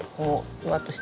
ふわっとしてる？